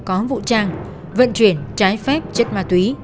có vũ trang vận chuyển trái phép chất ma túy